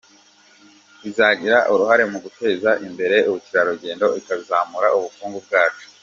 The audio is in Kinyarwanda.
Izagira uruhare mu guteza imbere ubukerarugengo ikazamure ubukungu bwacu.